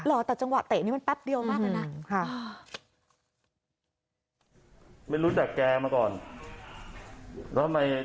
เหรอแต่จังหวะเตะนี่มันแป๊บเดียวมากเลยนะ